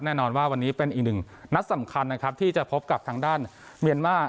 แน่นอนว่าวันนี้เป็นอีกหนึ่งนัดสำคัญนะครับที่จะพบกับทางด้านเมียนมาร์